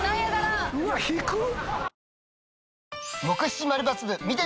うわっ低っ！